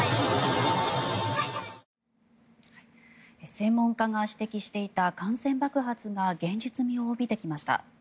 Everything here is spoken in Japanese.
専門家が指摘していた感染爆発が現実味を帯びてきました。